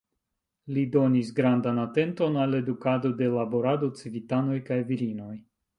Li donis grandan atenton al edukado de laborado, civitanoj kaj virinoj.